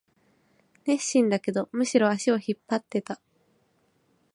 熱心だけど、むしろ足を引っ張ってた